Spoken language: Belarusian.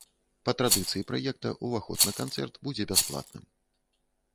Па традыцыі праекта ўваход на канцэрт будзе бясплатным.